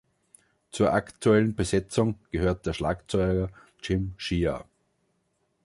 Zur aktuellen Besetzung gehört der Schlagzeuger Jim Shea.